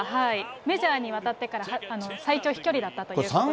メジャーに渡ってから最長飛距離だったということですね。